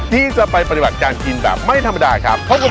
ที่จะไปปฏิบัติการกินแบบไม่ธรรมดาครับ